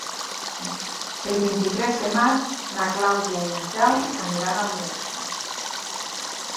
El vint-i-tres de maig na Clàudia i en Telm aniran al metge.